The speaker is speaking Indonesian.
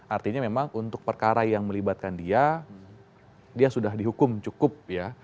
artinya memang untuk perkara yang melibatkan dia dia sudah dihukum cukup ya